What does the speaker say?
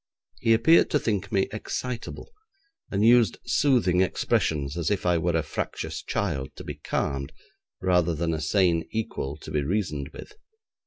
He appeared to think me excitable, and used soothing expressions as if I were a fractious child to be calmed, rather than a sane equal to be reasoned with.